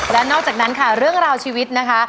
และนอกจากนั้นค่ะเรื่องราวชีวิตนะคะ